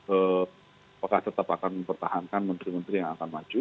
apakah tetap akan mempertahankan menteri menteri yang akan maju